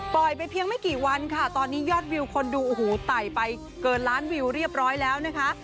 ไปเพียงไม่กี่วันค่ะตอนนี้ยอดวิวคนดูโอ้โหไต่ไปเกินล้านวิวเรียบร้อยแล้วนะคะ